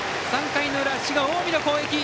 ３回の裏、滋賀・近江の攻撃。